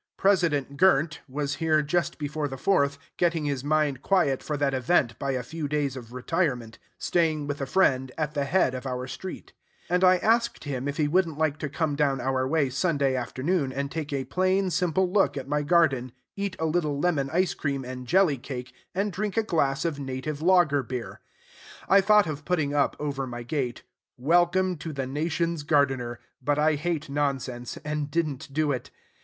President Gr nt was here just before the Fourth, getting his mind quiet for that event by a few days of retirement, staying with a friend at the head of our street; and I asked him if he wouldn't like to come down our way Sunday afternoon and take a plain, simple look at my garden, eat a little lemon ice cream and jelly cake, and drink a glass of native lager beer. I thought of putting up over my gate, "Welcome to the Nation's Gardener;" but I hate nonsense, and did n't do it.